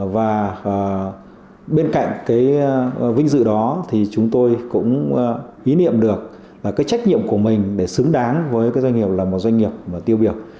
và bên cạnh cái vinh dự đó thì chúng tôi cũng ý niệm được cái trách nhiệm của mình để xứng đáng với cái doanh nghiệp là một doanh nghiệp tiêu biểu